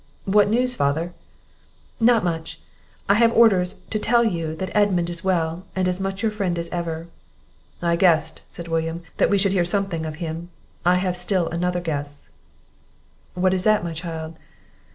"What news, father?" "Not much; I have only orders to tell you that Edmund is well, and as much your friend as ever." "I guessed," said William, "that we should hear something of him. I have still another guess." "What is that, my child?"